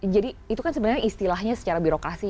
jadi itu kan sebenarnya istilahnya secara birokrasi